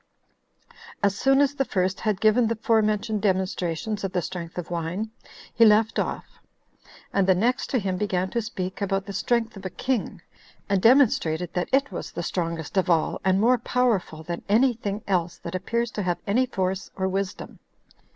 4. As soon as the first had given the forementioned demonstrations of the strength of wine, he left off; and the next to him began to speak about the strength of a king, and demonstrated that it was the strongest of all, and more powerful than any thing else that appears to have any force or wisdom.